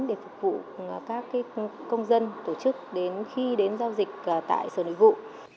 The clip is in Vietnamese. để phục vụ các công dân tổ chức đến khi đến giao dịch tại sở nội vụ